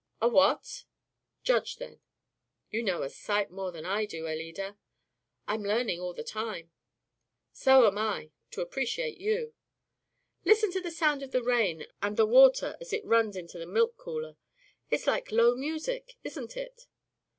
"A what?" "Judge, then." "You know a sight more than I do, Alida." "I'm learning all the time." "So am I to appreciate you." "Listen to the sound of the rain and the water as it runs into the milk cooler. It's like low music, isn't it?"